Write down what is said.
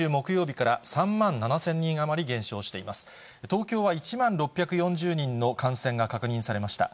東京は１万６４０人の感染が確認されました。